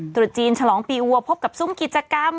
ตรุษจีนฉลองปีวัวพบกับซุ้มกิจกรรม